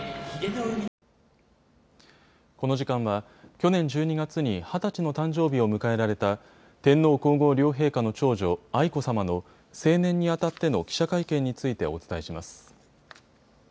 この時間は去年１２月に二十歳の誕生日を迎えられた天皇皇后両陛下の長女、愛子さまの成年にあたっての記者会見についてお伝えします。